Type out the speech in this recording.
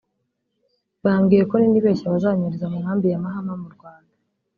Bambwiye ko ninibeshya bazanyohereza mu nkambi ya Mahama mu Rwanda